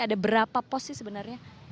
ada berapa pos sih sebenarnya